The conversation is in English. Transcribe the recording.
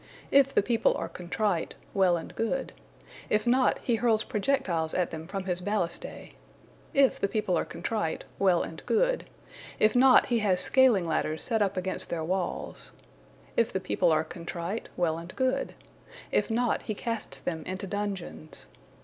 If the people are contrite, well and good; if not, he hurls projectiles at them from his ballistae. If the people are contrite, well and good; if not, he has scaling ladders set up against their walls. If the people are contrite, well and good; if not, he casts them into dungeons.